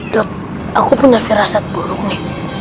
dut aku punya firasat burung nih